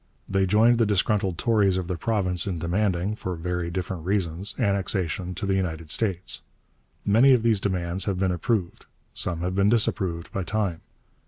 They joined the disgruntled Tories of their province in demanding, for very different reasons, annexation to the United States. Many of these demands have been approved, some have been disapproved, by time.